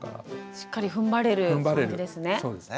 しっかりふんばれる感じですね。